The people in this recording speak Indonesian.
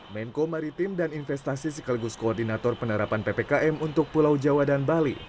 menko maritim dan investasi sekaligus koordinator penerapan ppkm untuk pulau jawa dan bali